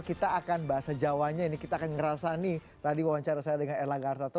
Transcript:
kita akan bahasa jawanya ini kita akan ngerasani tadi wawancara saya dengan erlangga artarto